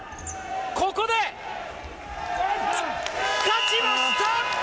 ここで、勝ちました！